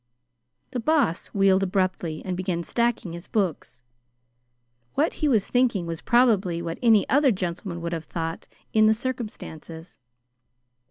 The Boss wheeled abruptly and began stacking his books. What he was thinking was probably what any other gentleman would have thought in the circumstances.